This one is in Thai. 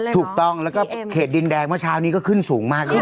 ถูกต้องแล้วก็เขตดินแดงเมื่อเช้านี้ก็ขึ้นสูงมากด้วย